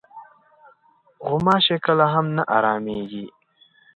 غوماشې کله هم نه ارامېږي.